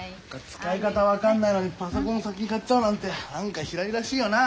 使い方分かんないのにパソコン先に買っちゃうなんて何かひらりらしいよな。